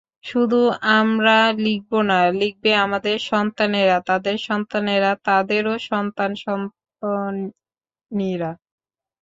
শুধু আমরা লিখব না, লিখবে আমাদের সন্তানেরা, তাদের সন্তানেরা, তাদেরও সন্তান-সন্ততিরা।